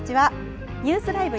ニュースＬＩＶＥ！